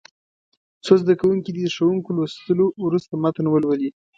څو زده کوونکي دې د ښوونکي لوستلو وروسته متن ولولي.